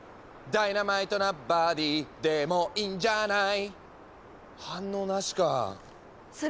「ダイナマイトなバディでもいいんじゃない」